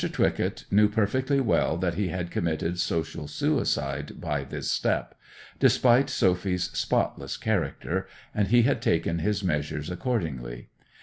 Twycott knew perfectly well that he had committed social suicide by this step, despite Sophy's spotless character, and he had taken his measures accordingly.